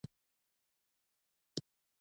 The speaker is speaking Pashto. د جاټ مشر له احمدشاه سره دوستانه اړیکي نه درلودل.